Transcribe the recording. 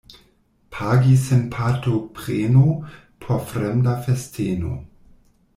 Pagi sen partopreno por fremda festeno.